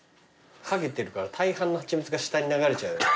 はげてるから大半の蜂蜜が下に流れちゃうよね。